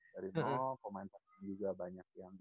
dari nol pemain tag team juga banyak yang